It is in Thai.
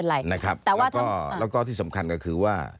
แล้วก็ที่สำคัญก็คือว่า